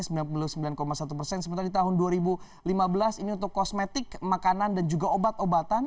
sementara di tahun dua ribu lima belas ini untuk kosmetik makanan dan juga obat obatan